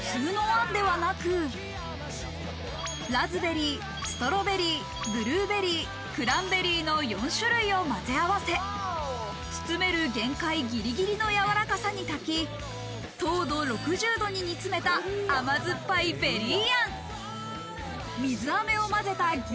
餡は普通の餡ではなく、ラズベリー、ストロベリー、ブルーベリー、クランベリーの４種類を混ぜ合わせ、包める限界ぎりぎりのやわらかさに炊き、糖度６０度に煮詰めた甘酸っぱいベリー餡。